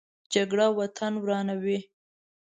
جګړه وطن ورانوي